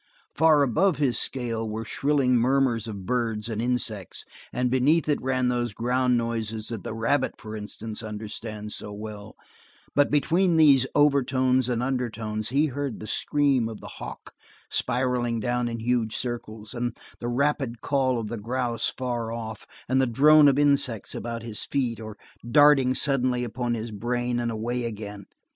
Far above his scale were shrilling murmurs of birds and insects, and beneath it ran those ground noises that the rabbit, for instance, understands so well; but between these overtones and undertones he heard the scream of the hawk, spiraling down in huge circles, and the rapid call of a grouse, far off, and the drone of insects about his feet, or darting suddenly upon his brain and away again.